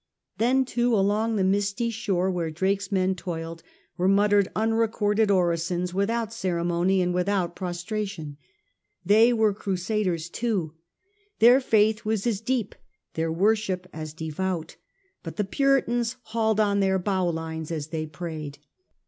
Then, too, along the misty shore where Drake's men toiled were muttered unrecorded orisons "svithout ceremony and without pro stration. They were crusaders too. Their faith was as deep, their worship as devout ; but the Puritans hauled on their bowlines as they prayed.